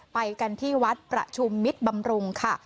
ไปกันที่วัดประชุมมิตรบำรุงค่ะ